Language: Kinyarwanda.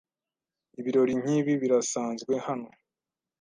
Ibirori nkibi birasanzwe hano.